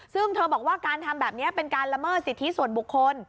ซึ่งเธอบอกว่าการทำแบบนี้เป็นการละเมิดสิทธิส่วนบุคคล